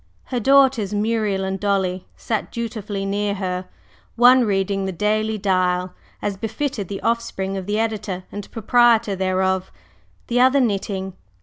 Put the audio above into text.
Her daughters, Muriel and Dolly, sat dutifully near her, one reading the Daily Dial, as befitted the offspring of the editor and proprietor thereof, the other knitting.